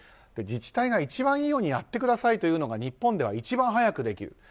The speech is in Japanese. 自治体が一番いいようにやってくださいというのが日本では一番早くできる。